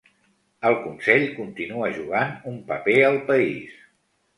El Consell continua jugant un paper al país.